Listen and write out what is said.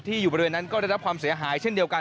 อยู่บริเวณนั้นก็ได้รับความเสียหายเช่นเดียวกัน